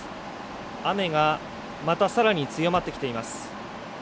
雨がまたさらに強まってきています。